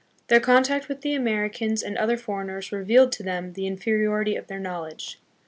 Their contact with the Americans and other foreigners revealed to them the in feriority of their knowledge.